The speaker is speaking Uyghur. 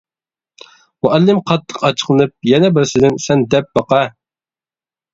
مۇئەللىم قاتتىق ئاچچىقلىنىپ يەنە بىرسىدىن سەن دەپ باقە.